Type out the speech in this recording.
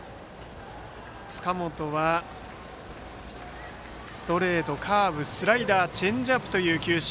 塚本はストレートカーブ、スライダーチェンジアップという球種。